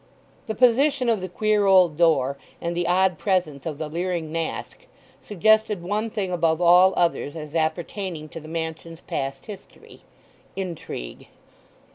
The position of the queer old door and the odd presence of the leering mask suggested one thing above all others as appertaining to the mansion's past history—intrigue.